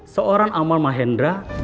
seorang amal mahendra